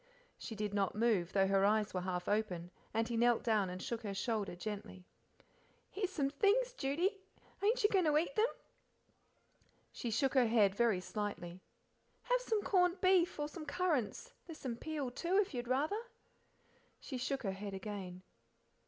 She did not move, though her eyes were half open, and he knelt down and shook her shoulder gently. "Here's some things, Judy ain't you goin' to eat them?" She shook her head very slightly. "Have some corned beef, or some currants; there's some peel, too, if you'd rather." She shook her head again.